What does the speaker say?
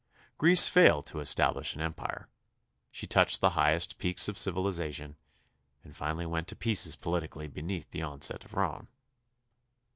Greece failed to es tablish an empire; she touched the highest peaks of civilization, and finally went to pieces politically be neath the onset of Rome.